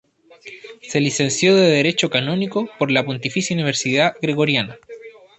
Se licenció en Derecho Canónico por la Pontificia Universidad Gregoriana.